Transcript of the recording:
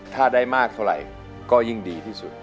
ถ้าได้มากเท่าไหร่ก็ยิ่งดีที่สุด